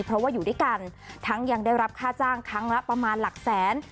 เพราะว่าอยู่ด้วยกันทั้งยังได้รับค่าจ้างครั้งละประมาณหลักแสน